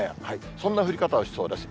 そんな降り方をしそうです。